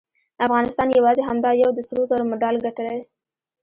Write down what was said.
افغانستان یواځې همدا یو د سرو زرو مډال ګټلی